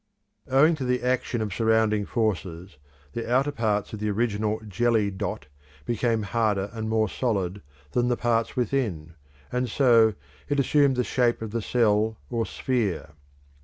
Owing to the action of surrounding forces, the outer parts of the original jelly dot became harder and more solid than the parts within, and so it assumed the shape of the cell or sphere.